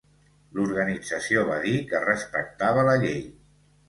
L'organització va dir que respectava la llei.